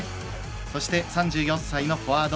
そして３４歳のフォワード